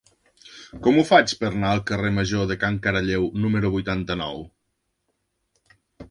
Com ho faig per anar al carrer Major de Can Caralleu número vuitanta-nou?